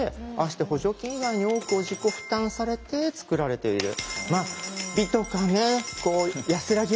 して補助金以外に多くを自己負担されて作られている。